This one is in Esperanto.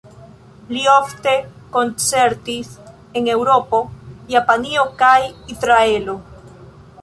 Li ofte koncertis en Eŭropo, Japanio kaj en Izraelo.